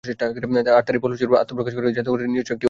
আর তারই ফলস্বরূপ আত্মপ্রকাশ করে জাদুঘরটির নিজস্ব একটি ওয়েবসাইট।